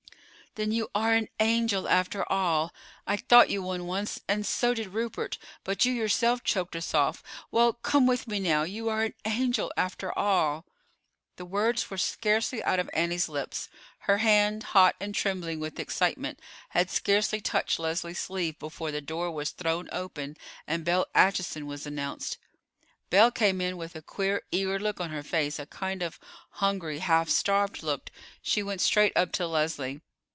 "Then you are an angel after all. I thought you one once, and so did Rupert; but you yourself choked us off. Well, come with me now. You are an angel after all." The words were scarcely out of Annie's lips, her hand, hot and trembling with excitement, had scarcely touched Leslie's sleeve, before the door was thrown open and Belle Acheson was announced. Belle came in with a queer, eager look on her face, a kind of hungry, half starved look. She went straight up to Leslie.